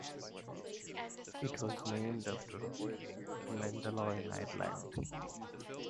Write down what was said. It was named after Glendalough in Ireland.